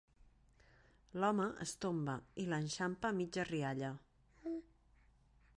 L'home es tomba i l'enxampa a mitja rialla.